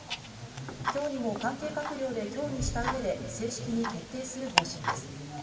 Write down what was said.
今日にも関係閣僚で協議した上で正式に決定する方針です。